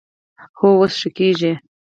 هو، اوس ښه کیږي